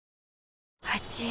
あちぃ。